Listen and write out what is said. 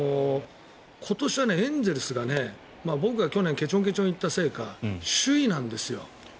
今年はエンゼルスが僕は去年けちょんけちょんに言ったせいか首位なんですよ。